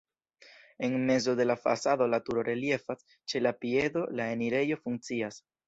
En mezo de la fasado la turo reliefas, ĉe la piedo la enirejo funkcias.